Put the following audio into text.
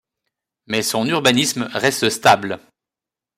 Mais son urbanisme reste stable.